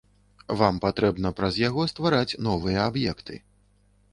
Вам патрэбна праз яго ствараць новыя аб'екты.